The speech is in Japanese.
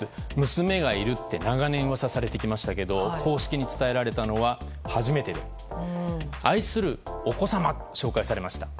娘がいると長年、噂されてきましたけども公式に伝えられたのは初めてで愛するお子様と紹介されました。